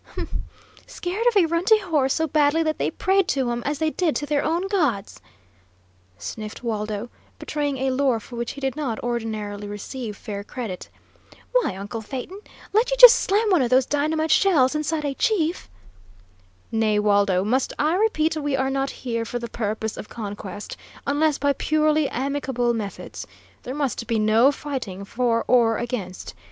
"Huh! Scared of a runty horse so badly that they prayed to 'em as they did to their own gods!" sniffed Waldo, betraying a lore for which he did not ordinarily receive fair credit. "Why, uncle Phaeton, let you just slam one o' those dynamite shells inside a chief " "Nay, Waldo, must I repeat, we are not here for the purpose of conquest, unless by purely amicable methods. There must be no fighting, for or against.